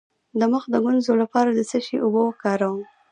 د مخ د ګونځو لپاره د څه شي اوبه وکاروم؟